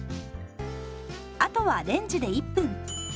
あとはレンジで１分。